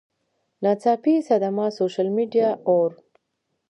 ناڅاپي صدمه ، سوشل میډیا اوور